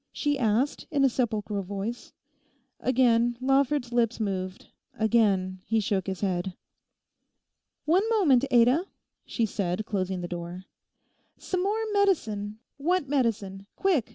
she asked in a sepulchral voice. Again Lawford's lips moved; again he shook his head. 'One moment, Ada,' she said closing the door. 'Some more medicine—what medicine? Quick!